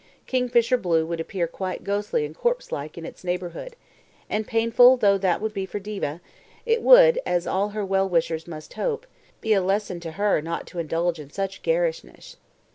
Kingfisher blue would appear quite ghostly and corpse like in its neighbourhood; and painful though that would be for Diva, it would, as all her well wishers must hope, be a lesson to her not to indulge in such garishness.